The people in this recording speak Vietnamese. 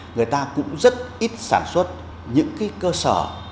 người ta cũng rất ít sản xuất những cơ sở